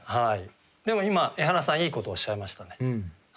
でも今エハラさんいいことおっしゃいましたね。